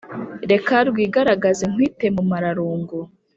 Reka rwigaragaze nkwite mumara rungu